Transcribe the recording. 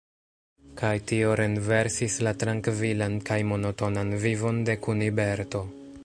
Kaj tio renversis la trankvilan kaj monotonan vivon de Kuniberto.